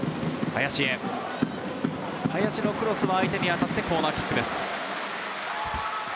林のクロスが当たってコーナーキックです。